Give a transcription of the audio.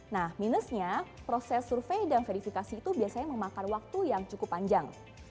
nah minusnya proses survei dan verifikasi itu biasanya memakan waktu yang cukup panjang